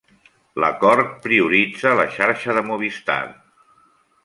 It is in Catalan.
L'acord prioritza la xarxa de Movistar.